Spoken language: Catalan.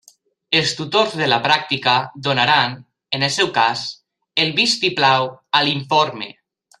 Els tutors de la pràctica donaran, en el seu cas, el vistiplau a l'informe.